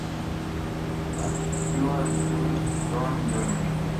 Asistió al Thurston Jr.